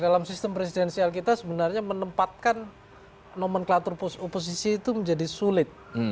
dalam sistem presidensial kita sebenarnya menempatkan nomenklatur oposisi itu menjadi sulit